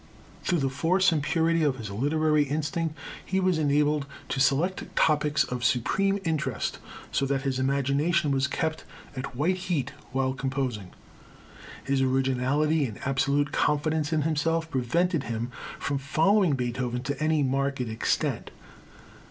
Through the force and purity of his literary instinct, he was enabled to select topics of supreme interest, so that his imagination was kept at white heat while composing. His originality and absolute confidence in himself prevented him from following Beethoven to any marked extent.